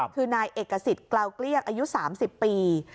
คือนายเอกสิทธิ์เกลาเกลี้ยงอายุ๓๐ปี